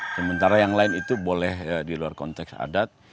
sementara yang lain itu boleh di luar konteks adat